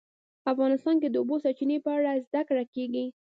افغانستان کې د د اوبو سرچینې په اړه زده کړه کېږي.